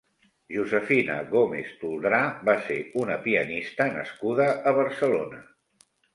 Josefina Gómez Toldrá va ser una pianista nascuda a Barcelona.